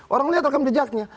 orang melihat rekam jejaknya